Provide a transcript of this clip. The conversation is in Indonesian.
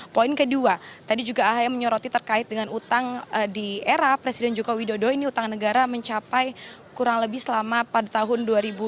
poin kedua tadi juga ahy menyoroti terkait dengan utang di era presiden joko widodo ini utang negara mencapai kurang lebih selama pada tahun dua ribu dua puluh